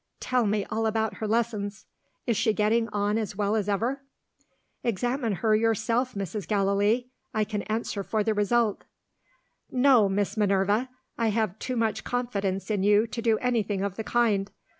tell me all about her lessons. Is she getting on as well as ever?" "Examine her yourself, Mrs. Gallilee. I can answer for the result." "No, Miss Minerva! I have too much confidence in you to do anything of the kind.